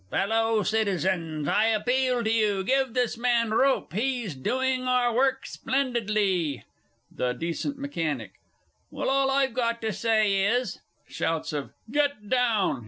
Fellow Citizens, I appeal to you, give this man rope he's doing our work splendidly! THE D. M. Well, all I've got to say is (_Shouts of "Get down!"